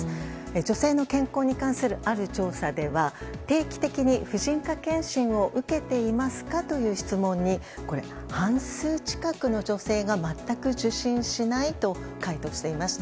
女性の健康に関するある調査では定期的に婦人科検診を受けていますかという質問に半数近くの女性が全く受診しないと回答していました。